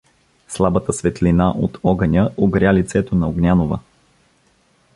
Слабата светлина от огъня огря лицето на Огнянова.